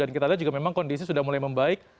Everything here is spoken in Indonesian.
dan kita lihat juga memang kondisi sudah mulai membaik